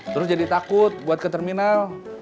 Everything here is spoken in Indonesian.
terus jadi takut buat ke terminal